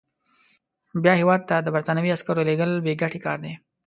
بیا هیواد ته د برټانوي عسکرو لېږل بې ګټې کار دی.